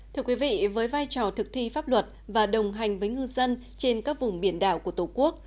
thưa quý vị với vai trò thực thi pháp luật và đồng hành với ngư dân trên các vùng biển đảo của tổ quốc